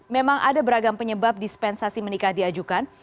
memang ada beragam penyebab dispensasi menikah diajukan